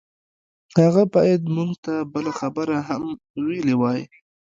هغه بايد موږ ته بله خبره هم ويلي وای.